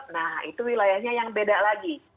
nah itu wilayahnya yang beda lagi